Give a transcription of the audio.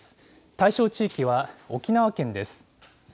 対象地域は沖縄県です。